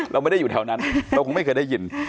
เราไม่ได้อยู่แถวนั้นเราคงไม่เคยได้ยิน